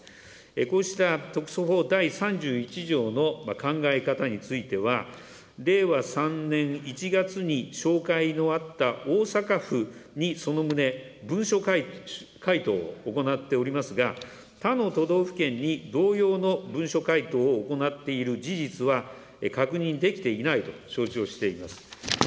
こうした特措法第３１条の考え方については、令和３年１月に照会のあった大阪府にその旨、文書回答を行っておりますが、他の都道府県に同様の文書回答を行っている事実は確認できていないと承知をしています。